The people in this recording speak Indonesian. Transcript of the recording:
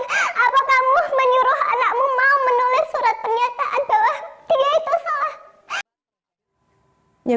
dia itu salah